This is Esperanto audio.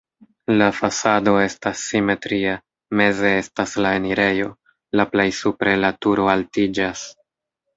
La fasado estas simetria, meze estas la enirejo, la plej supre la turo altiĝas.